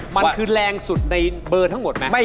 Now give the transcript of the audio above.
มันคือแรงสุดในเบอร์ทั้งหมดไหม